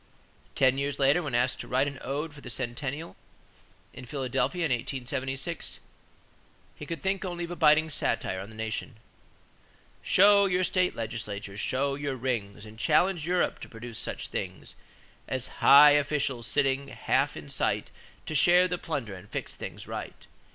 Ten years later, when asked to write an ode for the centennial at Philadelphia in 1876, he could think only of a biting satire on the nation: "Show your state legislatures; show your Rings; And challenge Europe to produce such things As high officials sitting half in sight To share the plunder and fix things right.